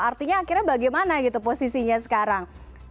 artinya akhirnya bagaimana gitu posisinya sekarang